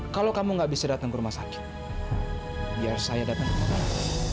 kalau kamu nggak bisa datang ke rumah sakit biar saya datang ke rumah sakit